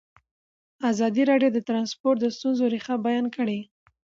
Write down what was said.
ازادي راډیو د ترانسپورټ د ستونزو رېښه بیان کړې.